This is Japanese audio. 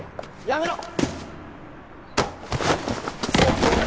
やめろ！